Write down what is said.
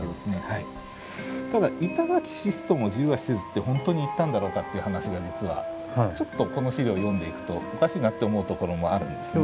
ただ「板垣死すとも自由は死せず」って本当に言ったんだろうかって話が実はちょっとこの資料を読んでいくとおかしいなと思うところもあるんですね。